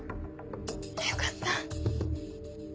よかった。